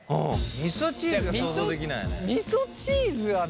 みそチーズはね。